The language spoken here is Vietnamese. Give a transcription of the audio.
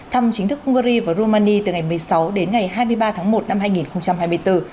thăm chính thức hungary và romania từ ngày một mươi sáu đến ngày hai mươi ba tháng một năm hai nghìn hai mươi bốn